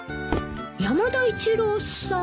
山田一郎さん